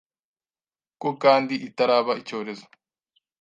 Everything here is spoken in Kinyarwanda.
ko kandi itaraba icyorezo.